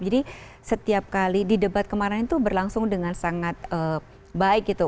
jadi setiap kali di debat kemarin itu berlangsung dengan sangat baik gitu